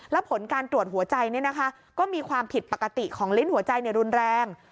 แล้วผลการตรวจหัวใจก็มีความผิดปกติของลิ้นหัวใจรุนแรง